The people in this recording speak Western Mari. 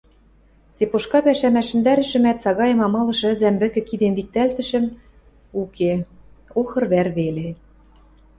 Цепошка пӓшӓм ӓшӹндӓрӹшӹмӓт, сагаэм амалышы ӹзӓм вӹкӹ кидем виктӓлтӹшӹм: уке, охыр вӓр веле.